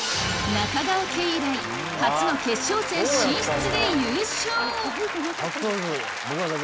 中川家以来初の決勝戦進出で優勝！